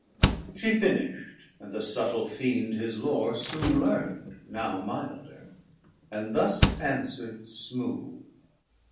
She finish'd, and the suttle Fiend his lore Soon learnd, now milder, and thus answerd smooth.